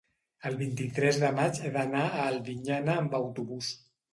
el vint-i-tres de maig he d'anar a Albinyana amb autobús.